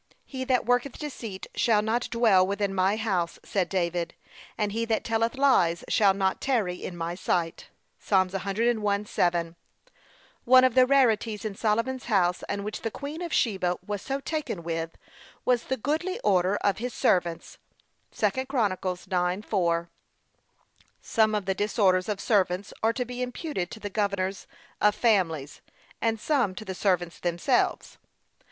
'He that worketh deceit shall not dwell within my, house;' said David; and 'he that telleth lies shall not tarry in my sight.' (Psa. 101:7) One of the rarities in Solomon's house, and which the queen of Sheba was so taken with, was the goodly order of his servants. (2 Chron. 9:4) Some of the disorders of servants are to be imputed to the governors of families, and some to the servants themselves.